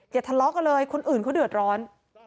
ทะเลาะกันเลยคนอื่นเขาเดือดร้อน